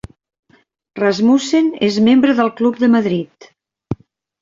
Rasmussen és membre del Club de Madrid.